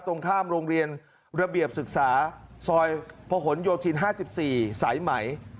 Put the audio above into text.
ตรงข้ามโรงเรียนระเบียบศึกษาซอยพหนโยธิน๕๔สายไหม